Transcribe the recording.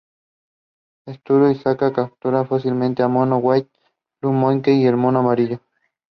He played as striker and became extremely popular with the supporters.